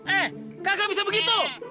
eh kakak bisa begitu